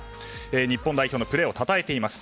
日本代表のプレーをたたえています。